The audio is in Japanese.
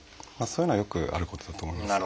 そういうのはよくあることだと思います。